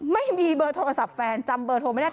ไม่มีเบอร์โทรศัพท์แฟนจำเบอร์โทรไม่ได้